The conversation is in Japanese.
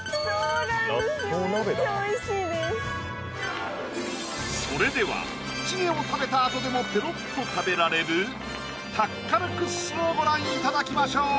めっちゃ美味しいですそれではチゲを食べたあとでもぺろっと食べられるタッカルクッスをご覧いただきましょう！